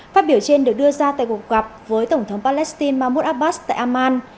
phát biểu trên được đưa ra tại cuộc gặp với tổng thống palestine mahmoud abbas tại amman